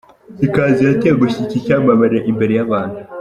Ikanzu yatengushye iki cyamamare imbere y’abantu.